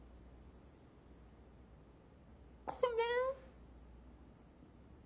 ごめん。